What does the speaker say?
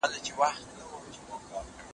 راز د مینې زده کړه ترې، چې سوځي او ګډېږي هم